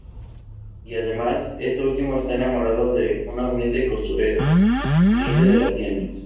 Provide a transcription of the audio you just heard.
Y además, este último, está enamorado de una humilde costurera, cliente de la tienda.